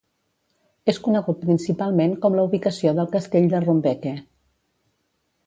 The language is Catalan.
És conegut principalment com la ubicació del castell de Rumbeke.